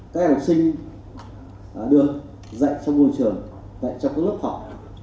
các học sinh được dạy trong môi trường dạy trong các lớp học